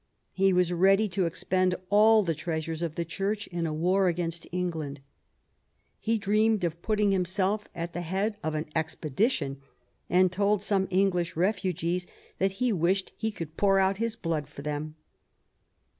He was ready to expend all the treasures of the Church in a war against England. He dreamed of putting himself at the head of an expedition, and told some English refugees that he wished he could pour out his blood for them